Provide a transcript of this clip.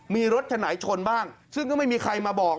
มีรถคันไหนชนบ้างซึ่งก็ไม่มีใครมาบอก